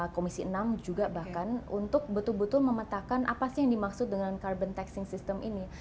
komisi enam juga bahkan untuk betul betul memetakan apa sih yang dimaksud dengan carbon taxing system ini